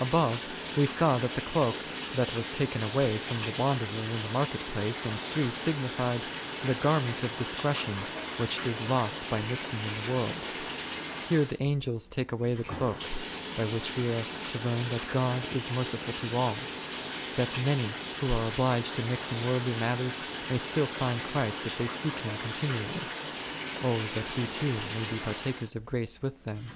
Above, we saw that the cloak that was taken away from the wanderer in the market place and streets, signified the garment of discretion which is lost by mixing in the world ; here the Angels take away the cloak, by which we are to learn that God is « B,ev. xxi. 11—14. * Eph. ii. 21. y Eph. ii. 19. * Rev. xxi. 21. O o— o ©n ?l?olg Utrgtttttg 41 merciful to all, that many who are obliged to mix in worldly matters may still find Christ if they seek Him continually (O that we too may be partakers of grace with them